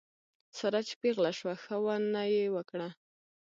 ساره چې پېغله شوه ښه ونه یې وکړه.